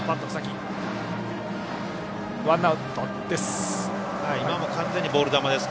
ワンアウトです。